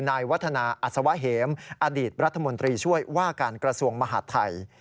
นายวัฒนาอัศวะเหมอดีตรัฐมนตรีช่วยว่าการกระทรวงมหาดไทย